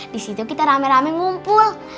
di situ kita rame rame ngumpul